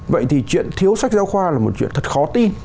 vậy thì chuyện thiếu sách giáo khoa là một chuyện thật khó tin